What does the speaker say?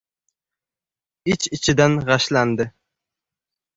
Ich-ichidan g‘ashlandi.